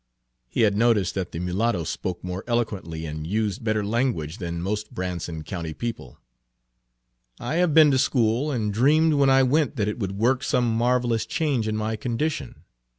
He had noticed that the mulatto spoke more eloquently and used better language than most Branson County people. "I have been to school, and dreamed when I went that it would work some marvelous Page 87 change in my condition.